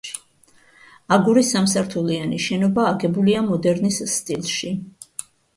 აგურის სამსართულიანი შენობა აგებულია მოდერნის სტილში.